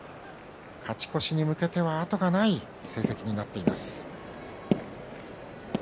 勝ち越しに向けては後がない成績になっています。